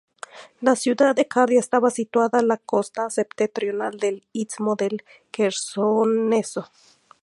La ciudad de Cardia estaba situada la costa septentrional del istmo del Quersoneso.